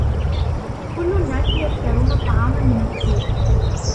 كل الناس يشترون الطعام من السوق.